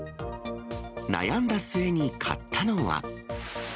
悩んだ末に買ったのは。